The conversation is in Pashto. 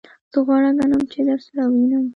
زه غوره ګڼم چی درسره ووینم.